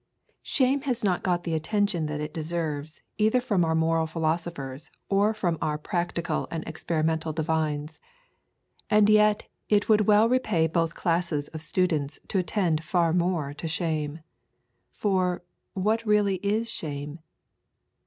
Shame has not got the attention that it deserves either from our moral philosophers or from our practical and experimental divines. And yet it would well repay both classes of students to attend far more to shame. For, what really is shame?